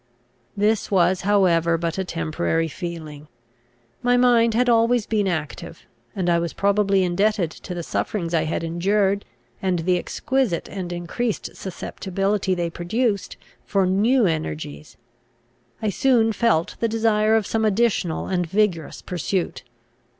This was however but a temporary feeling. My mind had always been active, and I was probably indebted to the sufferings I had endured, and the exquisite and increased susceptibility they produced, for new energies. I soon felt the desire of some additional and vigorous pursuit.